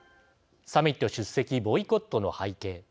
サミット出席ボイコットの背景